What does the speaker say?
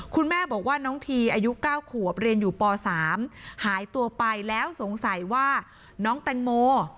คุณแม่บอกว่าน้องทีอายุ๙ขวบเรียนอยู่ป๓หายตัวไปแล้วสงสัยว่าน้องแตงโม